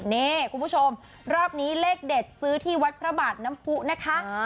นี่คุณผู้ชมรอบนี้เลขเด็ดซื้อที่วัดพระบาทน้ำผู้นะคะ